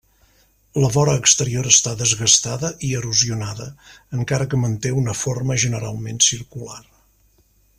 La vora exterior està desgastada i erosionada, encara que manté una forma generalment circular.